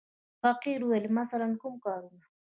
فقیر وویل: مثلاً کوم کارونه.